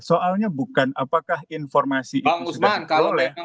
soalnya bukan apakah informasi itu sudah boleh